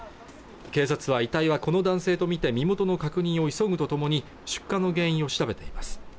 警察は遺体はこの男性とみて身元の確認を急ぐとともに出火の原因を調べています